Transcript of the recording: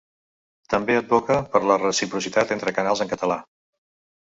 També advoca per la reciprocitat entre canals en català.